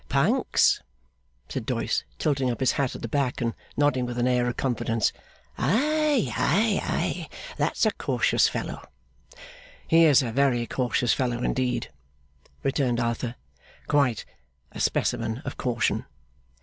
'Pancks?' said Doyce, tilting up his hat at the back, and nodding with an air of confidence. 'Aye, aye, aye! That's a cautious fellow.' 'He is a very cautious fellow indeed,' returned Arthur. 'Quite a specimen of caution.